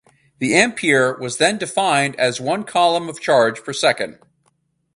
The ampere was then defined as one coulomb of charge per second.